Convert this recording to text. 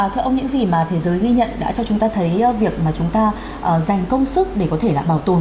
thưa ông những gì mà thế giới ghi nhận đã cho chúng ta thấy việc mà chúng ta dành công sức để có thể là bảo tồn